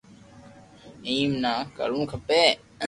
ايم ني ڪرووُ کپي